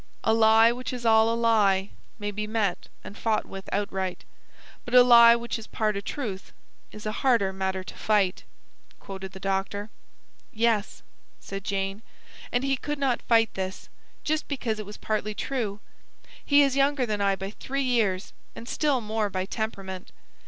'" "'A lie which is all a lie May be met and fought with outright; But a lie which is part a truth Is a harder matter to fight,'" quoted the doctor. "Yes," said Jane. "And he could not fight this, just because it was partly true. He is younger than I by three years, and still more by temperament.